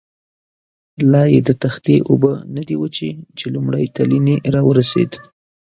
لایې د تختې اوبه نه دي وچې، چې لومړی تلین یې را ورسېد.